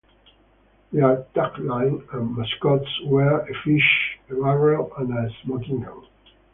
Their tagline, and mascots, were "A fish, a barrel, and a smoking gun".